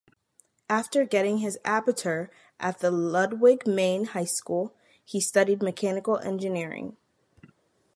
After getting his ‘Abitur’ at the Ludwig-Meyn high school, he studied mechanical engineering.